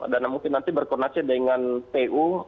dan mungkin nanti berkoneksi dengan tu